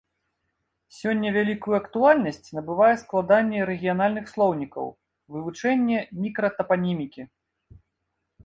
Сёння вялікую актуальнасць набывае складанне рэгіянальных слоўнікаў, вывучэнне мікратапанімікі.